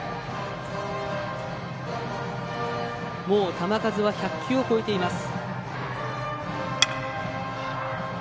球数は１００球を超えています。